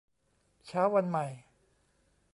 เช้าวันใหม่